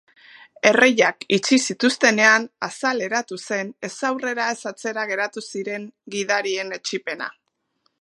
Erreiak itxi zituztenean azaleratu zen ez aurrera ez atzera geratu ziren gidarien etsipena.